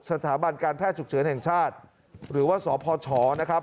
สถาบันการแพทย์ฉุกเฉินแห่งชาติหรือว่าสพชนะครับ